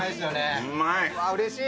うれしい。